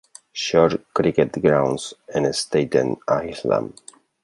George Cricket Grounds" en Staten Island.